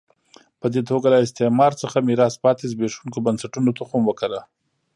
په دې توګه له استعمار څخه میراث پاتې زبېښونکو بنسټونو تخم وکره.